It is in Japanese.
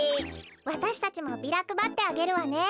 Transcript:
わたしたちもビラくばってあげるわね。